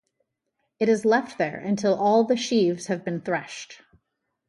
It is left there until all the sheaves have been threshed.